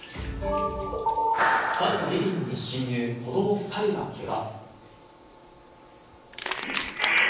サルがリビングに侵入、子ども２人がけが。